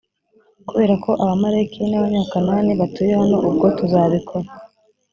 kubera ko abamaleki n abanyakanani batuye hano ubwo tuzabikora